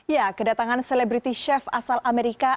ya kedatangan selebriti chef asal amerika